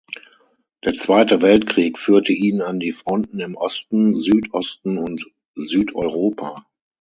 Der Zweite Weltkrieg führte ihn an die Fronten im Osten, Südosten und Südeuropa.